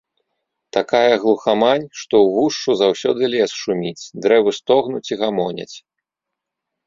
Такая глухамань, што ўвушшу заўсёды лес шуміць, дрэвы стогнуць і гамоняць.